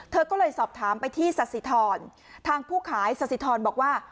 เธอก็เลยสอบถามไปที่สสิทรทางผู้ขายสสิทรบอกว่า